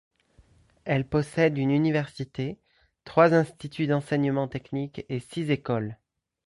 Elle possède une université, trois instituts d'enseignement technique et six écoles.